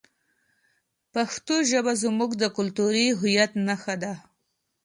پښتو ژبه زموږ د کلتوري هویت نښه ده.